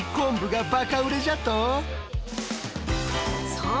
そう！